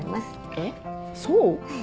えっそう？